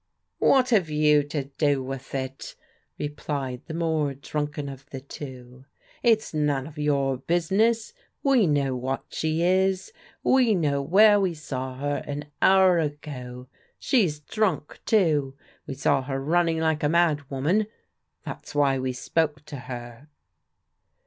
"What have you to do with it?" replied the more drunken of the two. " It's none of your business. We know what she is. We know where we saw her an hour ago. She's drunk, too. We saw her running like a mad woman. That's why we spoke to her."